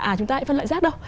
à chúng ta hãy phân loại rác đâu